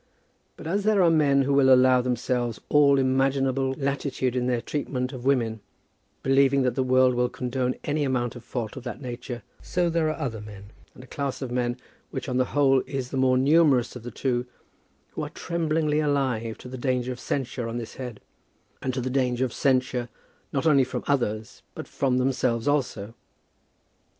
But, as there are men who will allow themselves all imaginable latitude in their treatment of women, believing that the world will condone any amount of fault of that nature, so are there other men, and a class of men which on the whole is the more numerous of the two, who are tremblingly alive to the danger of censure on this head, and to the danger of censure not only from others, but from themselves also.